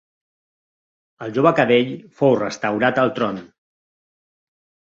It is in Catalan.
El jove Cadell fou restaurat al tron.